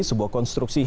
sebuah konstruksi harus